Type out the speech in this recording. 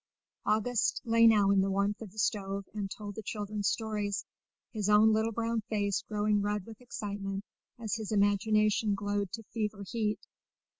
August lay now in the warmth of the stove and told the children stories, his own little brown face growing red with excitement as his imagination glowed to fever heat.